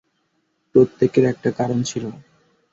প্রত্যেকের একটা কারণ ছিল।